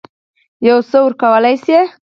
یو څه ورکولای سي.